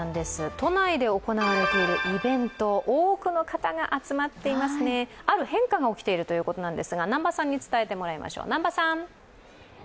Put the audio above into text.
都内で行われているイベント、多くの方が集まっていますね、ある変化が起きているようなんですが南波さんに伝えてもらいましょう。